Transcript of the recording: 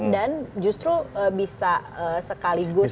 dan justru bisa sekaligus